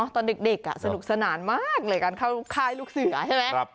ตอนเด็กสนุกสนานมากเลยการเข้าค่ายลูกเสือใช่ไหม